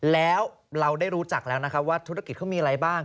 แล้วเราได้รู้จักแล้วนะคะว่าธุรกิจเขามีอะไรบ้าง